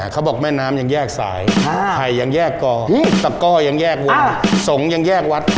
เขาบอกแม่น้ำยังแยกสาย